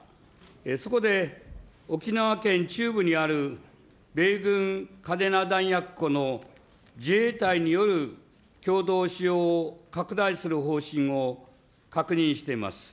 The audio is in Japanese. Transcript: そこで沖縄県中部にある米軍嘉手納弾薬庫の自衛隊による共同使用を拡大する方針を確認しています。